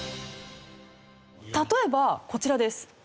例えばこちらです。